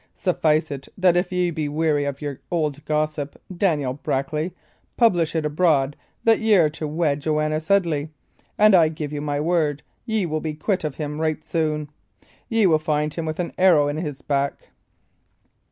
Suffice it, that if ye be weary of your old gossip, Daniel Brackley, publish it abroad that y' are to wed Joanna Sedley, and I give you my word ye will be quit of him right soon. Ye will find him with an arrow in his back."